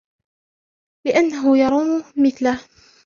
لِأَنَّهُ يَرُومُ مِثْلَهُ